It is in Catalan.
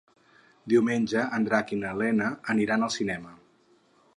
Diumenge en Drac i na Lena aniran al cinema.